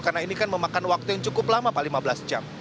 karena ini kan memakan waktu yang cukup lama pak lima belas jam